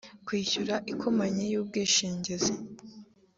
kwishyura ikompanyi y’ubwishingizi